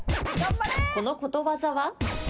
このことわざは？